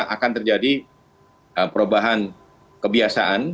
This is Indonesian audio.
akan terjadi perubahan kebiasaan